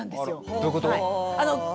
どういうこと？